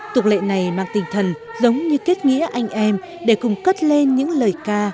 tục lệ này mang tinh thần giống như kết nghĩa anh em để cùng cất lên những lời ca